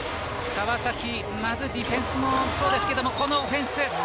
川崎、ディフェンスもそうですけど、オフェンス。